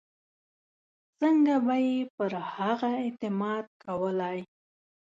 څنګه به یې پر هغه اعتماد کولای.